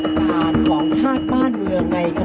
สถานของชาติบ้านเมืองในขณะนี้